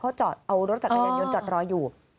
เขาจอดเอารถจักรยานยนต์จอดรออยู่